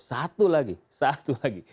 satu lagi satu lagi